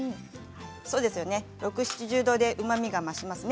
６０度７０度くらいでうまみが増しますね